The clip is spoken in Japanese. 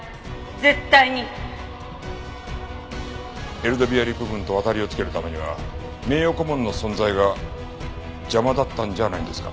エルドビア陸軍と渡りをつけるためには名誉顧問の存在が邪魔だったんじゃないんですか？